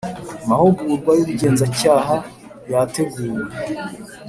mahugurwa y ubugenzacyaha yateguwe